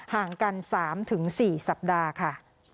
ห่างกัน๓๔สัปดาห์ค่ะ